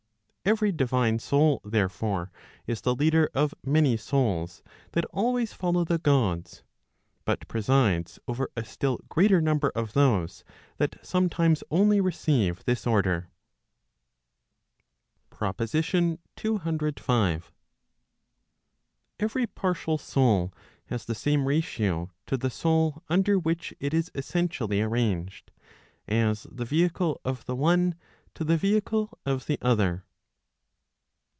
Every divine soul, therefore, is the leader of many souls that always follow the Gods, but presides over a still greater number of those that sometimes only receive this order. PROPOSITION CCV. Every partial soul has the same ratio to the soul under which it is essentially arranged, as the vehicle of the one to the vehicle of the other.